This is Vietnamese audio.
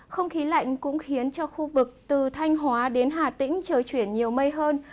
không khí lạnh cũng khiến cho khu vực từ thanh hóa đến hà tĩnh trời chuyển nhiều mây hơn